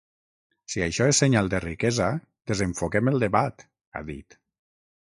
Si això és senyal de riquesa, desenfoquem el debat, ha dit.